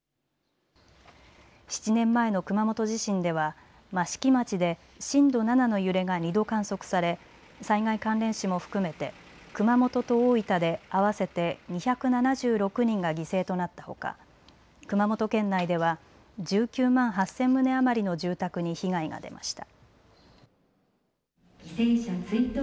７年前の熊本地震では益城町で震度７の揺れが２度観測され災害関連死も含めて熊本と大分で合わせて２７６人が犠牲となったほか熊本県内では１９万８０００棟余りの住宅に被害が出ました。